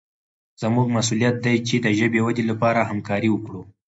زموږ مسوولیت دی چې د ژبې ودې لپاره همکاري وکړو.